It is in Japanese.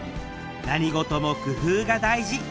何事も工夫が大事！